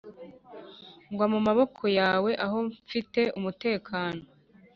gwa mu maboko yawe aho nfite umutekano